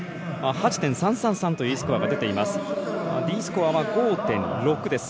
８．３３３というスコアが出ています。